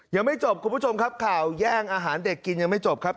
ยังไม่จบคุณผู้ชมครับข่าวแย่งอาหารเด็กกินยังไม่จบครับ